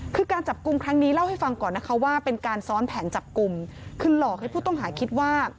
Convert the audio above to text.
คือการจับกลุ่มครั้งนี้เล่าให้ฟังก่อนนะคะว่าเป็นการซ้อนแผนจับกลุ่มคือหลอกให้ผู้ต้องหาคิดว่า